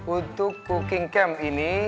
untuk cooking camp ini